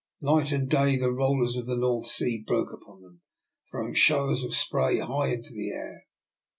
Night and day the rollers of the North Sea broke upon them, throwing showers of spray high into the air.